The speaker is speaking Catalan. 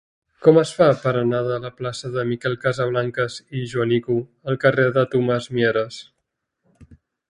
Com es fa per anar de la plaça de Miquel Casablancas i Joanico al carrer de Tomàs Mieres?